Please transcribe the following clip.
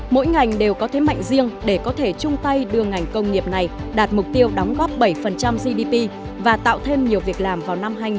mỗi ngành đều có thế mạnh riêng để có thể chung tay đưa ngành công nghiệp này đạt mục tiêu đóng góp bảy gdp và tạo thêm nhiều việc làm vào năm hai nghìn ba mươi